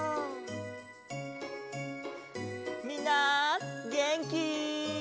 みんなげんき？